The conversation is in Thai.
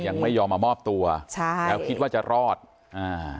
ยังไม่ยอมมามอบตัวใช่แล้วคิดว่าจะรอดอ่า